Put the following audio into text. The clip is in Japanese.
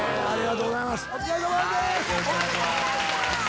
ありがとうございます。